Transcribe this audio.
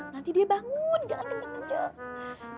nanti dia bangun jangan kenceng kenceng